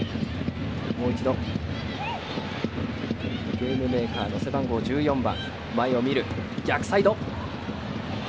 ゲームメーカーの背番号１４番。